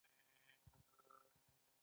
دا هغه لګښتونه دي چې د ځواک لپاره کیږي.